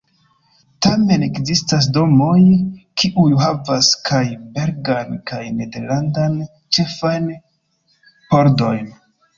Tamen ekzistas domoj, kiuj havas kaj belgan kaj nederlandan ĉefajn pordojn.